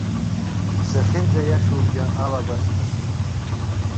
Сахьынӡаиашоугьы алагәасҭап.